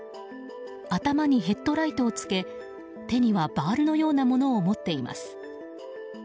頭にヘッドライトをつけ手にはバールのようなものを持っています。